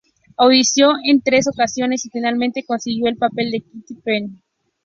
Audicionó en tres ocasiones y finalmente consiguió el papel de Kitty Bennett.